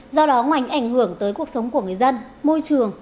do đó ngoài ảnh hưởng tới cuộc sống của người dân môi trường